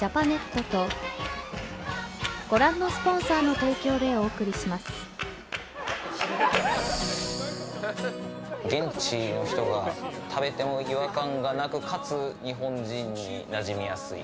東京海上日動現地の人が食べても違和感がなくかつ、日本人になじみやすい。